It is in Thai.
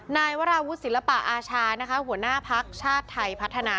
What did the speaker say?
นายวราวุธศิลปอาชาหัวหน้าภักดิ์ชาติไทยพัฒนา